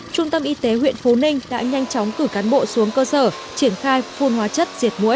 trung tâm y tế huyện phú ninh đã nhanh chóng cử cán bộ xuống cơ sở triển khai phun hóa chất diệt mũi